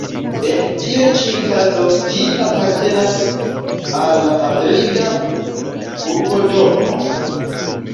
En tiu ĉi kazo ĝi apartenas al la Madrida Urbodomo.